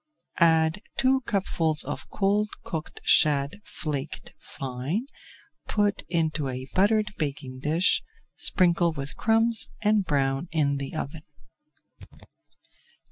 Add two cupfuls of cold cooked shad flaked fine, put into a buttered baking dish, sprinkle with crumbs and brown in the oven.